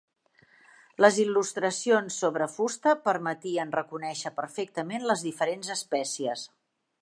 Les il·lustracions, sobre fusta, permetien reconèixer perfectament les diferents espècies.